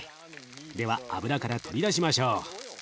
では油から取り出しましょう。